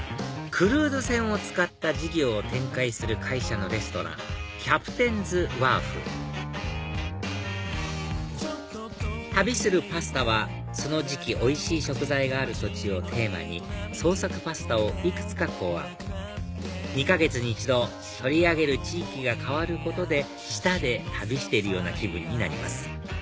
クルーズ船を使った事業を展開する会社のレストランキャプテンズワーフ「旅するパスタ」はその時期おいしい食材がある土地をテーマに創作パスタをいくつか考案２か月に１度取り上げる地域が変わることで舌で旅しているような気分になります